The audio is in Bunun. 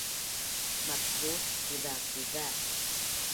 makvut kuzakuza